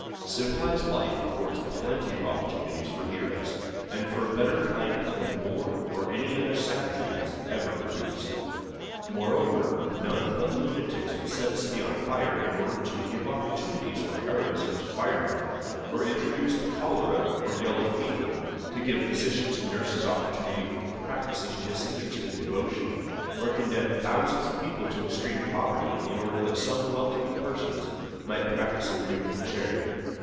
Civilized life affords plenty of opportunities for heroes, and for a better kind than war or any other savagery has ever produced. Moreover, none but lunatics would set a city on fire in order to give opportunities for heroism to firemen, or introduce the cholera or yellow fever to give physicians and nurses opportunity for practicing disinterested devotion, or condemn thousands of people to extreme poverty in order that some well to do persons might practice a beautiful charity.